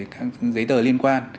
các giấy tờ liên quan